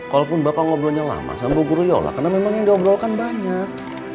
walaupun bapak ngobrolnya lama sama bu guliyola karena memang yang diobrolkan banyak